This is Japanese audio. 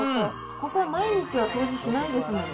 ここ、毎日は掃除しないですもんね。